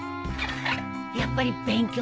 やっぱり勉強する。